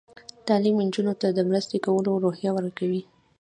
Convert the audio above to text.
تعلیم نجونو ته د مرستې کولو روحیه ورکوي.